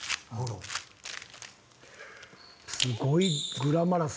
すごいグラマラスですね。